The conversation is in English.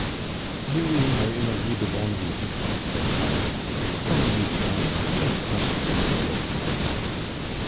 "Here we are in the Rue de Bondy," said Cardot. Coralie's sally had quite crushed the little old man.